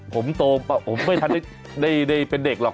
ผมโตผมไม่ทันได้เป็นเด็กหรอก